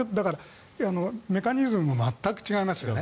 メカニズムも全く違いますよね。